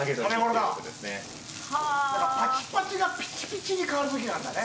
だから、パチパチがピチピチに変わるときがあるんだね。